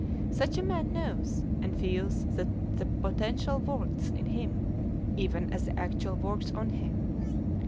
Such a man knows and feels that the potential works in him even as the actual works on him.